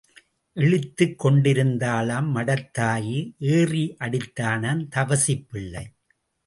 இளித்துக் கொண்டிருந்தாளாம் மடத்தாயி ஏறி அடித்தானாம் தவசிப் பிள்ளை.